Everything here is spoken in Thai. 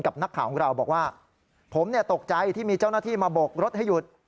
นักข่าวของเราบอกว่าผมตกใจที่มีเจ้าหน้าที่มาโบกรถให้หยุด